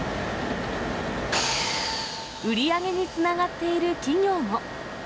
売り上げにつながっている企業も。